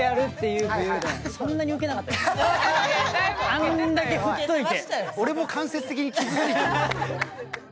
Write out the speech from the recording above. あんだけ振っといて。